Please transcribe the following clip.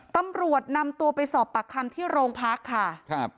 ตำรวจนำตัวไปสอบปากคำที่โรงพักค่ะครับ